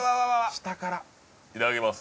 下からいただきます